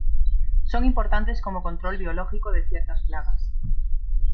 Son importantes como control biológico de ciertas plagas.